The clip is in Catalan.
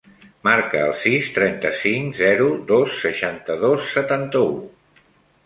Marca el sis, trenta-cinc, zero, dos, seixanta-dos, setanta-u.